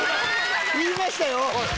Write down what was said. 言いましたよ？